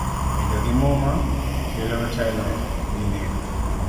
Bedo gi muma kelo telo gi neko